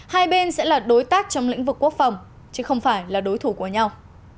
đã đối tác trong lĩnh vực quốc phòng chứ không phải là đối thủ của nhau